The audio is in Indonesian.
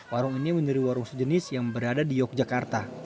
warung ini menjadi warung sejenis yang berada di yogyakarta